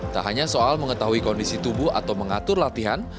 tak hanya soal mengetahui kondisi tubuh atau mengatur latihan